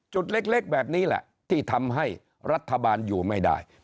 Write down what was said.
จุดเล็กแบบนี้แหละที่ทำให้รัฐบาลอยู่ไม่ได้